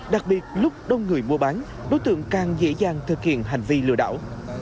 đặc biệt lúc đông người mua bán đối tượng càng dễ dàng thực hiện hành vi lừa đảo